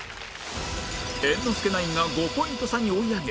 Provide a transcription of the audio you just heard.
猿之助ナインが５ポイント差に追い上げ